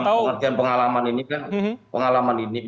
dalam pengertian pengalaman ini kan pengalaman ini